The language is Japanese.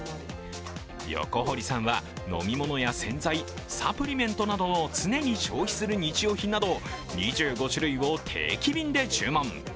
横堀さんは飲み物や洗剤サプリメントなどの常に消費する日用品など２５種類を定期便で注文。